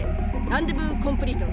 ランデブーコンプリート。